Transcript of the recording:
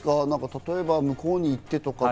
例えば、向こうに行ってとか。